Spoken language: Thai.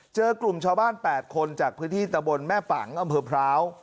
เจอกลุ่มชาวบ้าน๘คนจากพื้นที่ตะบนแม่ปังอำเภอพร้าว